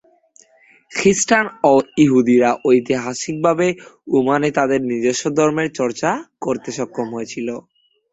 খ্রিস্টান এবং ইহুদিরা ঐতিহাসিকভাবে ওমানে তাদের নিজস্ব ধর্মের চর্চা করতে সক্ষম হয়েছিল।